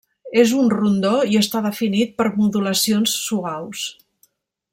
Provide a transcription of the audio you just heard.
És un rondó i està definit per modulacions suaus.